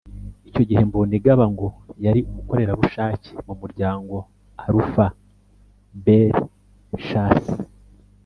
Icyo gihe Mbonigaba ngo yari umukorerabushake mu muryango Alpha Bellechasse